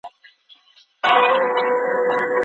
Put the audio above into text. انارګل خپلې مور ته د احترام په سترګه کتل.